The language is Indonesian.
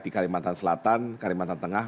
di kalimantan selatan kalimantan tengah